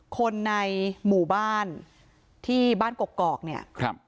คนในหมู่บ้านที่บ้านกรอกกรอกเนี่ย